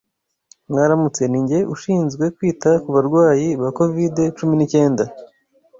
Mwaramutse, ni njye. Ushinzwe kwita kubarwayi ba covid cumi n'icyenda?